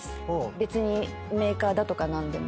別にメーカーだとか何でも。